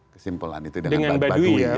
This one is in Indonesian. kesimpulan itu dengan badu ya